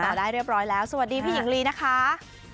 มาได้เรียบร้อยแล้วสวัสดีพี่หญิงลีนะคะ